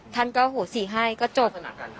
ท่านก็โหสีให้ก็จบ